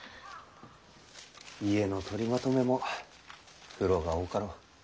家の取りまとめも苦労が多かろう。